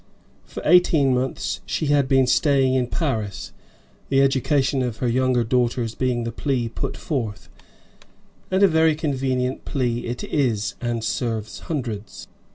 For eighteen months she had been staying in Paris, the education of her younger daughters being the plea put forth, and a very convenient plea it is, and serves hundreds.